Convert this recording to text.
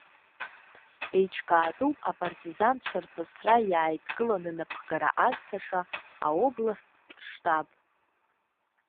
Еиҿкаатәуп апартизанцәа рҵысра иааидкыланы напхгара азҭаша аобласттә штаб.